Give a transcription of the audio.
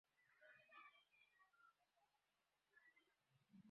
এটা সত্যিই খারাপ, স্যার।